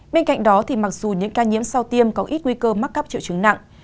bên cạnh đó mặc dù những ca nhiễm sau tiêm có ít nguy cơ mắc cắp triệu chứng nặng